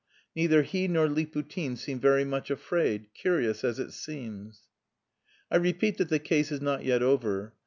Neither he nor Liputin seem very much afraid, curious as it seems. I repeat that the case is not yet over.